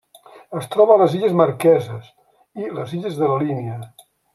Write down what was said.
Es troba a les Illes Marqueses i les Illes de la Línia.